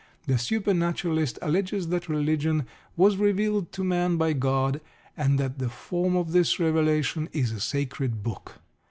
The supernaturalist alleges that religion was revealed to man by God, and that the form of this revelation is a sacred book.